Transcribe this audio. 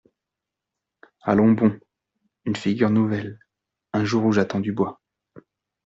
Allons bon ! une figure nouvelle ! un jour où j’attends du bois !